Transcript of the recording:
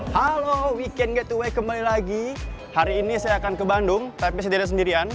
halo weekend gateway kembali lagi hari ini saya akan ke bandung tapi setidaknya sendirian